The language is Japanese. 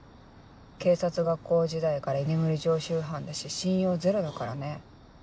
警察学校時代から居眠り常習犯だし信用ゼロだからね。